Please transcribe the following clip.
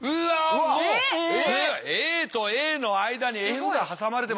もうＡとＡの間にＦが挟まれてますよ。